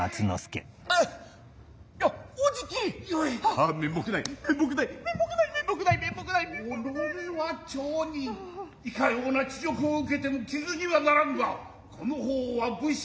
ああ面目ない面目ない面目ない面目ない面目ないおのれは町人如何ような恥辱を受けても疵にはならぬがこの方は武士。